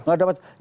tidak ada masalah